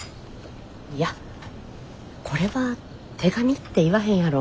いやこれは手紙って言わへんやろ。